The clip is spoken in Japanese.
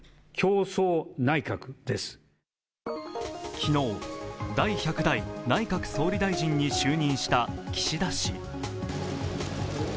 昨日、第１００代内閣総理大臣に就任した岸田氏。